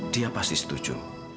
dia pasti setuju